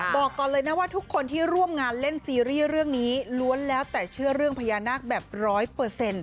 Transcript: บอกก่อนเลยนะว่าทุกคนที่ร่วมงานเล่นซีรีส์เรื่องนี้ล้วนแล้วแต่เชื่อเรื่องพญานาคแบบร้อยเปอร์เซ็นต์